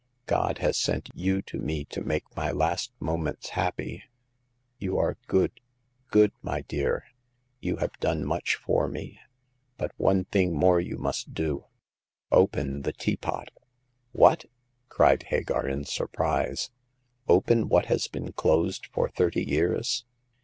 God has sent you to me to make my last moments happy. You are good— good, my dear. f The Sixth Customer. 167 You have done much for me ; but one thing more you must do. Open the teapot." "What!" cried Hagar, in surprise — "open what has been closed for thirty years